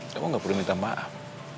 kamu gak perlu minta maaf